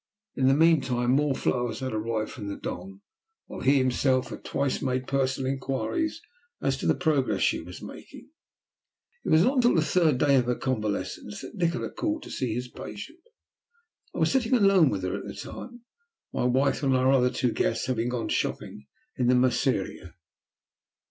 In the meantime more flowers had arrived from the Don, while he himself had twice made personal inquiries as to the progress she was making. It was not until the third day of her convalescence that Nikola called to see his patient. I was sitting alone with her at the time, my wife and our other two guests having gone shopping in the Merceria.